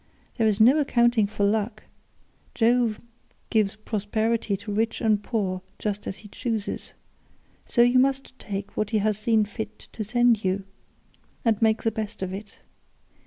There is no accounting for luck; Jove gives prosperity to rich and poor just as he chooses, so you must take what he has seen fit to send you, and make the best of it.